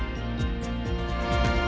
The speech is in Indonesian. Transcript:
kecuali pada saat kebijaksanaan tersebut